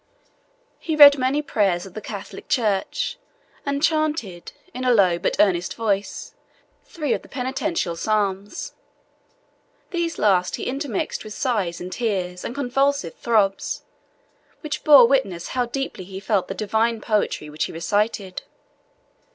He read many prayers of the Catholic Church, and chanted, in a low but earnest voice, three of the penitential psalms. These last he intermixed with sighs, and tears, and convulsive throbs, which bore witness how deeply he felt the divine poetry which he recited.